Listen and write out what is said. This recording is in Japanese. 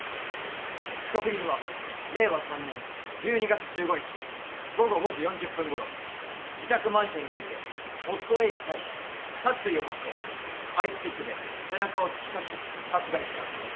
被告人は令和３年１２月１５日午後５時４０分ごろ自宅マンションにおいて夫Ａに対し殺意を持ってアイスピックで背中を突き刺し殺害した。